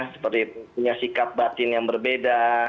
seperti punya sikap batin yang berbeda